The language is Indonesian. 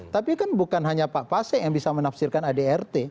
tapi kan bukan hanya pak pasek yang bisa menafsirkan adrt